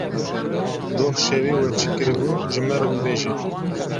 Doh şevê we çi kiribû ji me re bibêje.